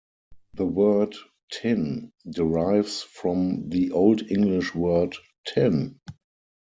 The word "tin" derives from the Old English word "tin".